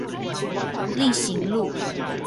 力行路